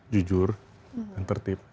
jujur dan tertib